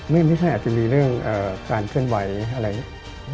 ไม่ใช่อาจจะมีเรื่องการเคลื่อนไหวอะไรอย่างนี้